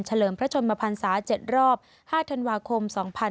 เลิมพระชนมพันศา๗รอบ๕ธันวาคม๒๕๕๙